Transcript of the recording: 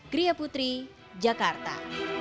griha putri jakarta